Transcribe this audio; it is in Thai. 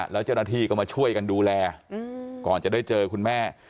แล้วเจ้าหน้าที่ก็มาช่วยกันดูแลก่อนจะได้เจอคุณแม่